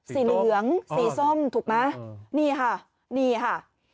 สีเหลืองสีส้มถูกไหมนี่ค่ะนี่ค่ะ